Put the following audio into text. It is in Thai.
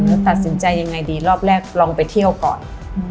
ตัดสินใจยังไงดีรอบแรกลองไปเที่ยวก่อน